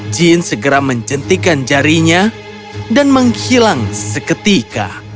jin segera menjentikan jarinya dan menghilang seketika